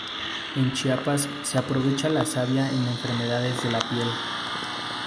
En Chiapas, se aprovecha la savia en enfermedades de la piel.